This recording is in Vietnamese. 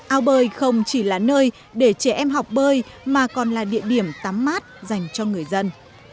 ao bơi không chỉ là nơi để trẻ em học bơi mà còn là địa điểm tắm mát dành cho người dân